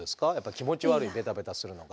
気持ち悪いベタベタするのが。